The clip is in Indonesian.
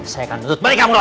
saya akan tuntut balik kamu